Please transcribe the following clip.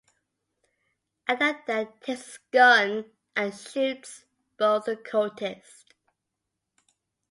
Adam then takes his gun and shoots both the cultists.